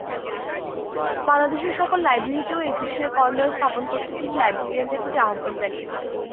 বাংলাদেশের সকল লাইব্রেরিতেও একুশে কর্নার স্থাপন করতে তিনি লাইব্রেরিয়ানদের প্রতি আহ্বান জানিয়েছেন।